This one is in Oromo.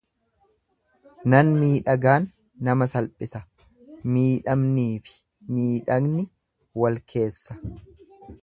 Nan miidhagaan nama salphisa, miidhamniifi miidhagni wal keessa.